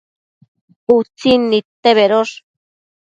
Utsin nidte bedosh